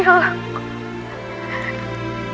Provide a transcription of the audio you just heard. jika setengahnya itu hilang